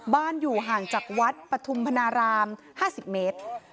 อยู่ห่างจากวัดปฐุมพนาราม๕๐เมตร